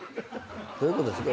どういうことですか？